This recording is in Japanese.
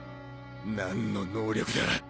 何の能力だ！